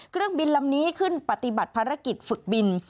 เครื่องบินลำนี้ขึ้นปฏิบัติภารกิจฝึกบิน